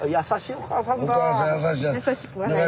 おかあさん優しい。